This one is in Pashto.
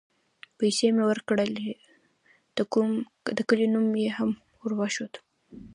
پيسې مې وركړې د كلي نوم مې هم وروښود.